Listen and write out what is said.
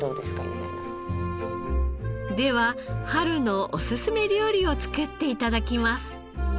では春のおすすめ料理を作って頂きます。